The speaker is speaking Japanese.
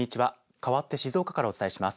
かわって静岡からお伝えします。